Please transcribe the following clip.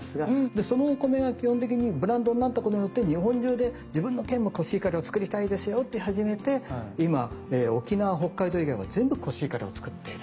でそのお米が基本的にブランドになったことによって日本中で自分の県もコシヒカリを作りたいですよって始めて今沖縄北海道以外は全部コシヒカリを作ってる。